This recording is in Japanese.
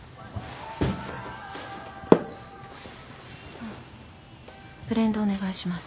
あっブレンドお願いします。